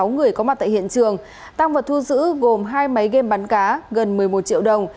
sáu người có mặt tại hiện trường tăng vật thu giữ gồm hai máy game bắn cá gần một mươi một triệu đồng